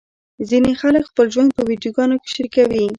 ځینې خلک خپل ژوند په ویډیوګانو کې شریکوي.